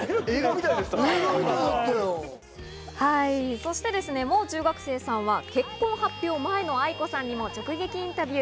そして、もう中学生さんは結婚発表前のａｉｋｏさんにも直撃インタビュー。